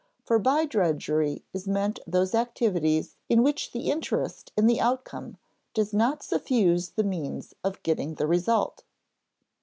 For by drudgery is meant those activities in which the interest in the outcome does not suffuse the means of getting the result.